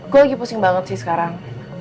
gue lagi pusing banget sih sekarang